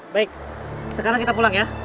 baik sekarang kita pulang ya